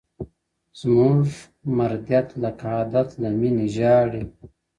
زموږه مرديت لکه عادت له مينې ژاړي!!